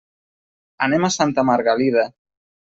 Anem a Santa Margalida.